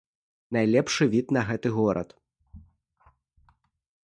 Найлепшы від на гэты горад.